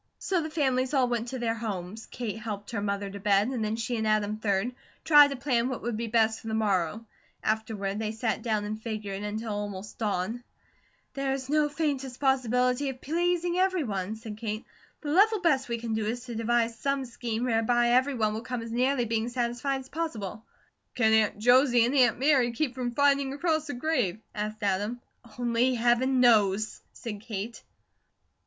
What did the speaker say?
So the families all went to their homes; Kate helped her mother to bed; and then she and Adam, 3d, tried to plan what would be best for the morrow; afterward they sat down and figured until almost dawn. "There's no faintest possibility of pleasing everyone," said Kate. "The level best we can do is to devise some scheme whereby everyone will come as nearly being satisfied as possible." "Can Aunt Josie and Aunt Mary keep from fighting across the grave?" asked Adam. "Only Heaven knows," said Kate.